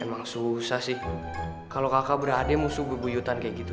emang susah sih kalau kakak berade musuh bebuyutan kayak gitu